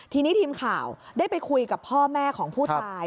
ทีนี้ทีมข่าวได้ไปคุยกับพ่อแม่ของผู้ตาย